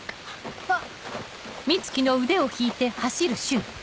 あっ。